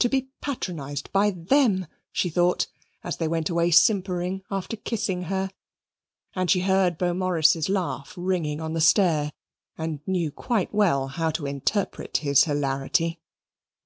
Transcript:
To be patronized by THEM! she thought, as they went away simpering after kissing her. And she heard Beaumoris's laugh ringing on the stair and knew quite well how to interpret his hilarity.